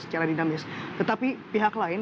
secara dinamis tetapi pihak lain